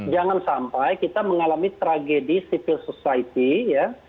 jangan sampai kita mengalami tragedi civil society ya